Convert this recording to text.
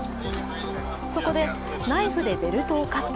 そこで、ナイフでベルトをカット。